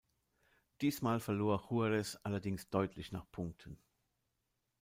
Diesmal verlor Juarez allerdings deutlich nach Punkten.